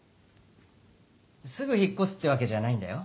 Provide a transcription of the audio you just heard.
すぐ引っこすってわけじゃないんだよ。